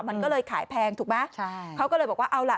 มันก็เลยขายแพงถูกไหมใช่เขาก็เลยบอกว่าเอาล่ะ